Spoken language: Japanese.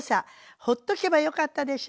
ほっとけばよかったでしょ？